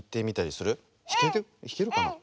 ひけるかな？